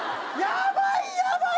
ヤバいヤバい！